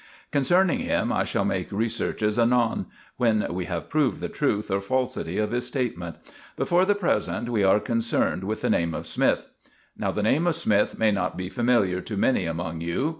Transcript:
Concerning him I shall make researches anon, when we have proved the truth or falsity of his statement; but for the present we are concerned with the name of Smythe. Now, the name of Smythe may not be familiar to many among you.